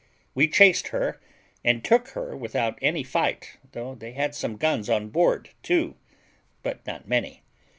We chased her, and took her without any fight, though they had some guns on board too, but not many.